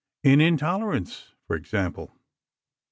In 'Intolerance,' for example.